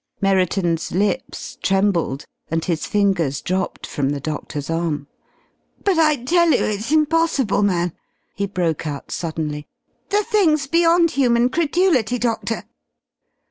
Merriton's lips trembled, and his fingers dropped from the doctor's arm. "But I tell you it's impossible, man!" he broke out suddenly. "The thing's beyond human credulity, Doctor."